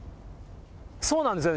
そうなんですよ。